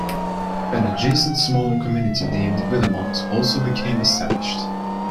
An adjacent smaller community named Villemont also became established.